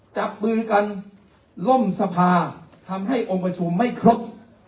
จับมือกันล่มสภาทำให้องค์ประชุมไม่ครบ